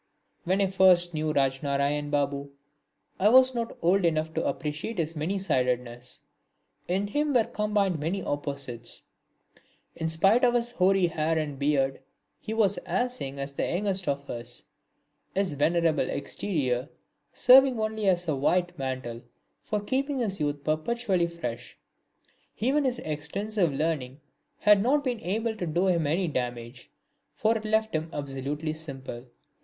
When I first knew Rajnarain Babu, I was not old enough to appreciate his many sidedness. In him were combined many opposites. In spite of his hoary hair and beard he was as young as the youngest of us, his venerable exterior serving only as a white mantle for keeping his youth perpetually fresh. Even his extensive learning had not been able to do him any damage, for it left him absolutely simple.